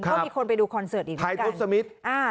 ก็มีคนไปดูคอนเสิร์ตอีกแล้วกัน